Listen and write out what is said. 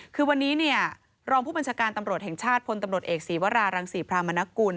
คือวันนี้เนี่ยรองผู้บัญชาการตำรวจแห่งชาติพลตำรวจเอกศีวรารังศรีพรามนกุล